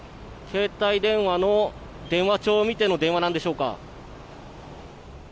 携帯電話の電話帳を見ての電話なのでしょうか。